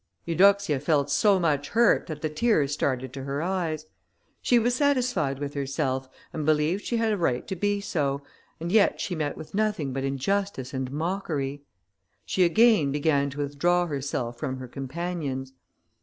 Eudoxia felt so much hurt that the tears started to her eyes. She was satisfied with herself, and believed she had a right to be so, and yet she met with nothing but injustice and mockery. She again began to withdraw herself from her companions.